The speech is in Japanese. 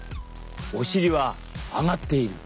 お尻は上がっている。